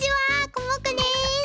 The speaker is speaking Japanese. コモクです。